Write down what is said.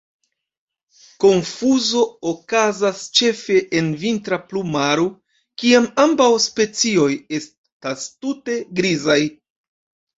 Konfuzo okazas ĉefe en vintra plumaro, kiam ambaŭ specioj estas tute grizaj.